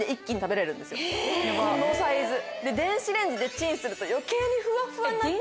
このサイズで電子レンジでチンすると余計にフワッフワになって。